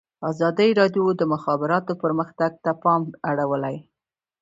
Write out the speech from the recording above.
ازادي راډیو د د مخابراتو پرمختګ ته پام اړولی.